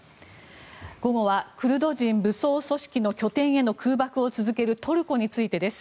午後はクルド人武装組織拠点への空爆を続けるトルコについてです。